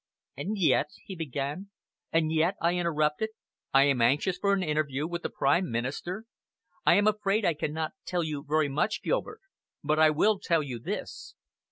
"And yet " he began. "And yet," I interrupted, "I am anxious for an interview with the Prime Minister. I am afraid I cannot tell you very much, Gilbert, but I will tell you this.